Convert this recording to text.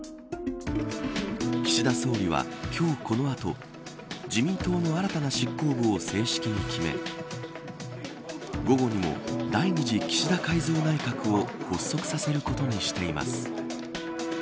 岸田総理は今日、この後自民党の新たな執行部を正式に決め午後にも第２次岸田改造内閣を発足させることにしています。